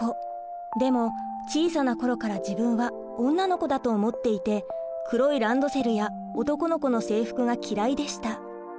でも小さな頃から自分は女の子だと思っていて黒いランドセルや男の子の制服が嫌いでした。